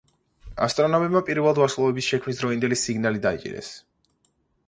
ასტრონომებმა პირველი ვარსკვლავების შექმნის დროინდელი სიგნალი დაიჭირეს.